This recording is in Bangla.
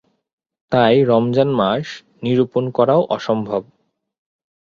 তাই, রমজান মাস নিরূপণ করাও অসম্ভব।